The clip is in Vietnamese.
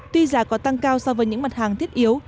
tuy giá có tăng cao so với những mặt hàng thiết yếu